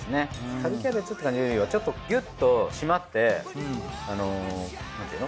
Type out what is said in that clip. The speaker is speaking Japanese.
春キャベツって感じよりはちょっとギュッと締まってなんていうの？